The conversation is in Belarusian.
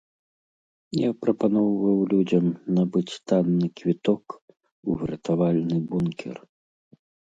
Я прапаноўваў людзям набыць танны квіток у выратавальны бункер.